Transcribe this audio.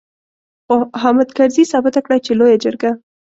خو حامد کرزي ثابته کړه چې لويه جرګه.